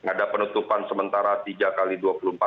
ada penutupan sementara tiga x dua puluh empat jam